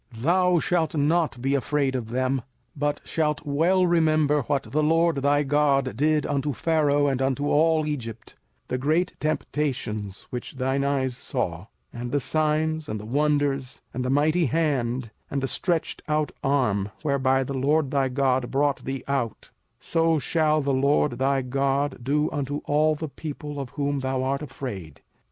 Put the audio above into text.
05:007:018 Thou shalt not be afraid of them: but shalt well remember what the LORD thy God did unto Pharaoh, and unto all Egypt; 05:007:019 The great temptations which thine eyes saw, and the signs, and the wonders, and the mighty hand, and the stretched out arm, whereby the LORD thy God brought thee out: so shall the LORD thy God do unto all the people of whom thou art afraid.